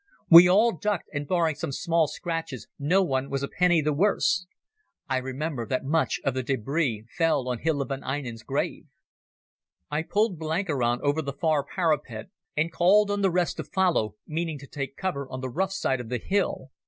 We all ducked, and barring some small scratches no one was a penny the worse. I remember that much of the debris fell on Hilda von Einem's grave. I pulled Blenkiron over the far parapet, and called on the rest to follow, meaning to take cover on the rough side of the hill.